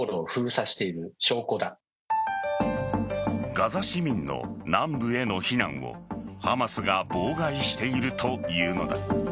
ガザ市民の南部への避難をハマスが妨害しているというのだ。